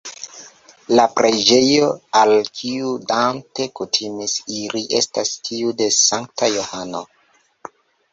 La preĝejo, al kiu Dante kutimis iri, estas tiu de Sankta Johano.